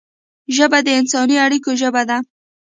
ژبه د انساني اړیکو ژبه ده